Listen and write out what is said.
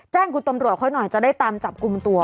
แจ้งกุฏมรัวค่อยหน่อยจะได้ตามจับกุมตัว